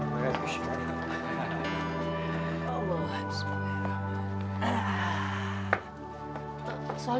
terima kasih ustad